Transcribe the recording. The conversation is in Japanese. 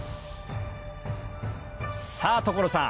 さぁ所さん